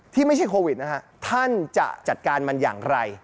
ไม่ใช่โควิดนะฮะท่านจะจัดการมันอย่างไร